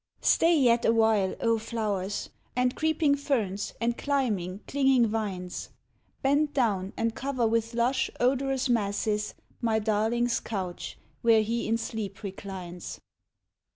Stay yet awhile, oh flowers! oh wandering grasses, And creeping ferns, and climbing, clinging vines; Bend down and cover with lush odorous masses My darling's couch, where he in sleep reclines.